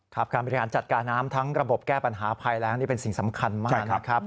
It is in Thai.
การบริหารจัดการน้ำทั้งระบบแก้ปัญหาภัยแรงนี่เป็นสิ่งสำคัญมากนะครับ